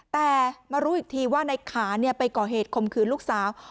แต่มารู้อีกทีว่าในขาไปก่อเหตุคมคืนลูกสาว